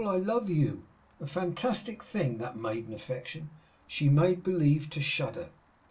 I love you!' A fantastic thing, that maiden affectation! She made believe to shudder.